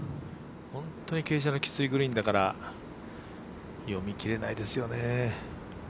ほんとに傾斜がきついグリーンだから読み切れないですよね。